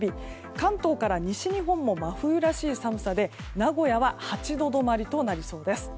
関東から西日本も真冬らしい寒さで名古屋は８度止まりとなりそうです。